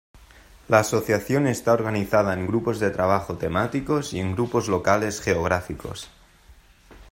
La asociación está organizada en grupos de trabajo temáticos y en grupos locales geográficos.